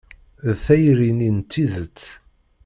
D tayri-nni n tidet.